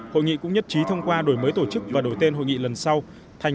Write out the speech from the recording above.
hội nghị cũng nhất trí thông qua đổi mới tổ chức và đổi tên hội nghị lần sau thành